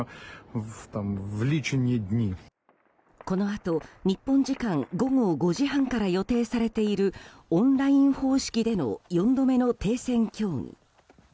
このあと、日本時間午後５時半から予定されているオンライン方式での４度目の停戦交渉。